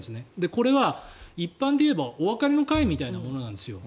これは一般で言えばお別れの会みたいなものなんです。